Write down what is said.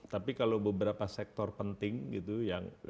tapi kalau beberapa sektor penting gitu yang